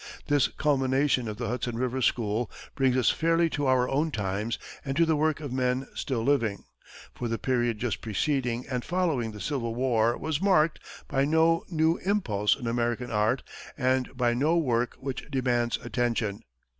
This culmination of the Hudson River school brings us fairly to our own times and to the work of men still living, for the period just preceding and following the Civil War was marked by no new impulse in American art and by no work which demands attention.